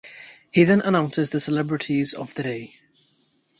He then announces the celebrities of the day.